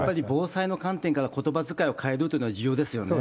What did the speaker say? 防災の観点からことばづかいを変えるというのは、重要ですよ